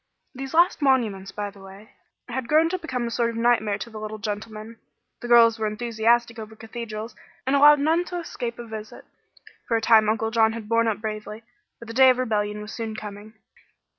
These last monuments, by the way, had grown to become a sort of nightmare to the little gentleman. The girls were enthusiastic over cathedrals, and allowed none to escape a visit. For a time Uncle John had borne up bravely, but the day of rebellion was soon coming.